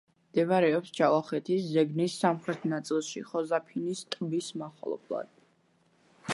მდებარეობს ჯავახეთის ზეგნის სამხრეთ ნაწილში, ხოზაფინის ტბის მახლობლად.